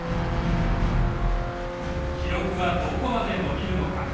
記録はどこまで伸びるのか。